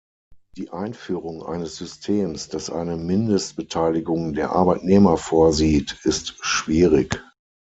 Die Einführung eines Systems, das eine Mindestbeteiligung der Arbeitnehmer vorsieht, ist schwierig.